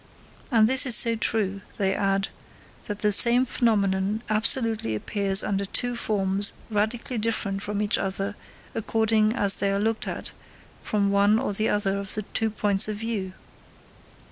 And this is so true, they add, that the same phenomenon absolutely appears under two forms radically different from each other according as they are looked at from one or the other of the two points of view.